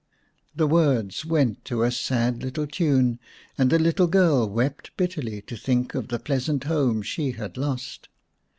The words went to a sad little tune, and the little girl wept bitterly to think of the pleasant home she had lost.